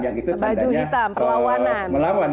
baju hitam perlawanan